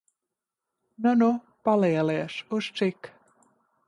Nu nu, palielies, uz cik?